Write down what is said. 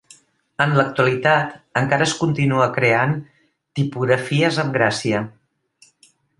En l'actualitat encara es continua creant tipografies amb gràcia.